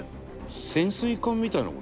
「潜水艦みたいな事？」